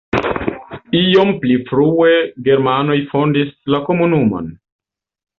Iom pli frue germanoj fondis la komunumon.